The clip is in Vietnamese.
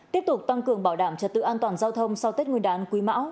tiếp tục tăng cường bảo đảm trật tự an toàn giao thông sau tết nguyên đán quý mão